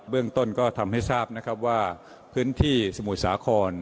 เรื่องต้นก็ทำให้ทราบนะครับว่าพื้นที่สมุทรสาคร